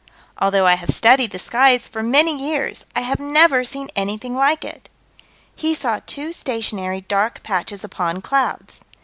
"Although I have studied the skies for many years, I have never seen anything like it." He saw two stationary dark patches upon clouds.